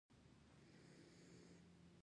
افغانستان د پسونو د ساتنې لپاره ځانګړي قوانين لري.